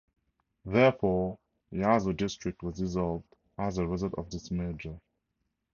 Therefore, Yasu District was dissolved as a result of this merger.